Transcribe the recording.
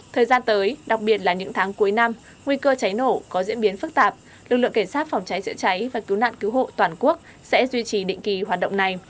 thời gian tới đặc biệt là những tháng cuối năm nguy cơ cháy nổ có diễn biến phức tạp lực lượng cảnh sát phòng cháy chữa cháy và cứu nạn cứu hộ toàn quốc sẽ duy trì định kỳ hoạt động này